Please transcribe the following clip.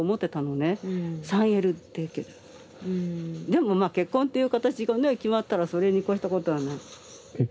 でもまあ結婚っていう形がね決まったらそれに越したことはない。